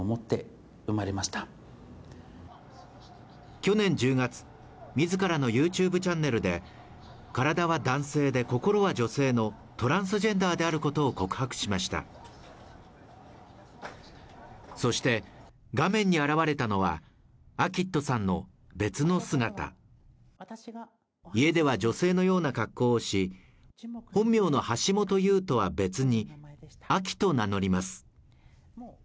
去年１０月自らのＹｏｕＴｕｂｅチャンネルで体は男性で心は女性のトランスジェンダーであることを告白しましたそして画面に現れたのはアキットさんの別の姿家では女性のような格好をし本名の橋本憂とは別に愛樹と名乗ります